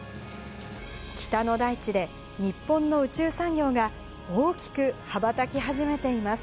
北の大地で、日本の宇宙産業が大きく羽ばたき始めています。